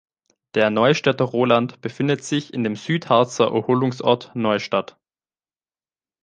Der Neustädter Roland befindet sich in dem südharzer Erholungsort Neustadt.